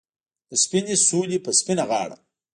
د سپینې سولې په سپینه غاړه